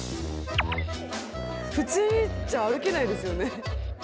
普通じゃ歩けないですよね。